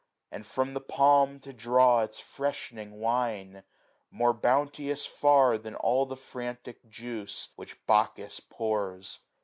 And from the palm to draw its freshening wine ; More bounteous far, than all the frantic juice "Which Bacchus pours.